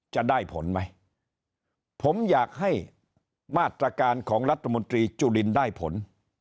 จะได้ผลไหมผมอยากให้มาตรการของรัฐมนตรีจุลินได้ผล